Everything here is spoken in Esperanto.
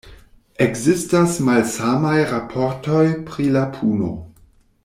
Ekzistas malsamaj raportoj pri la puno.